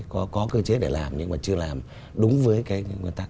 có có cơ chế để làm nhưng mà chưa làm đúng với cái nguyên tắc